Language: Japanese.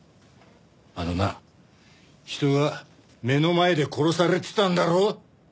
あのな人が目の前で殺されてたんだろ？